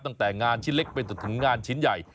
ตั้งแต่งานชิ้นเล็กไปจนถึงงานชิ้นใหญ่